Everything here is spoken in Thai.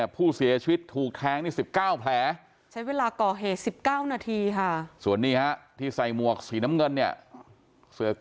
ผู้เสียชีวิตถูกแท้ง๑๙แผล